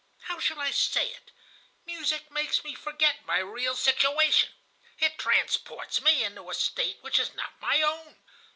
How shall I say it? Music makes me forget my real situation. It transports me into a state which is not my own.